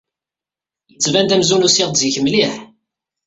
Yettban-d amzun usiɣ-d zik mliḥ.